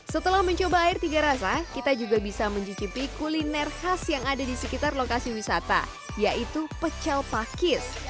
setelah mencoba air tiga rasa kita juga bisa mencicipi kuliner khas yang ada di sekitar lokasi wisata yaitu pecel pakis